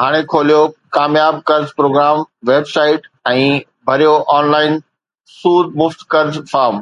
ھاڻي کوليو ڪامياب قرض پروگرام ويب سائيٽ ۽ ڀريو آن لائن سود مفت قرض فارم